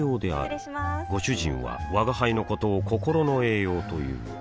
失礼しまーすご主人は吾輩のことを心の栄養という